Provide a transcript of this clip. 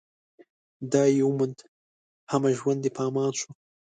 ډاډ يې وموند، همه ژوند يې په امان شو